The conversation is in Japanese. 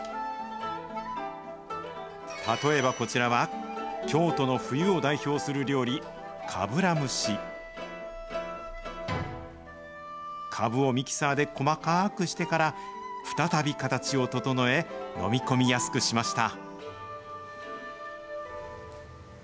例えばこちらは、京都の冬を代表する料理、かぶら蒸し。カブをミキサーで細かくしてから、再び形を整え、飲み込みやすくしました。